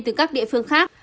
từ các địa phương khác